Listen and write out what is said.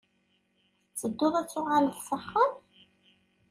Tettedduḍ ad tuɣaleḍ s axxam?